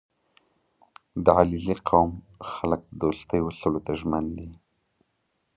• د علیزي قوم خلک د دوستۍ اصولو ته ژمن دي.